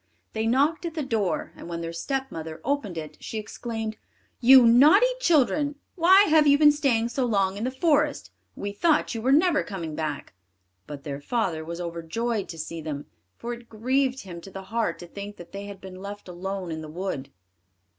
They knocked at the door, and when their stepmother opened it, she exclaimed: "You naughty children, why have you been staying so long in the forest? we thought you were never coming back," But their father was overjoyed to see them, for it grieved him to the heart to think that they had been left alone in the wood.